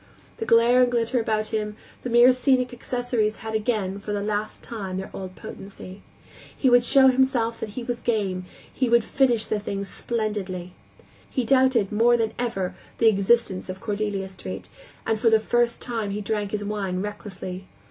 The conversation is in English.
The glare and glitter about him, the mere scenic accessories had again, and for the last time, their old potency. He would show himself that he was game, he would finish the thing splendidly. He doubted, more than ever, the existence of Cordelia Street, and for the first time he drank his wine recklessly.